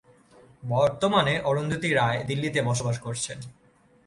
বর্তমানে অরুন্ধতী রায় দিল্লিতে বসবাস করছেন।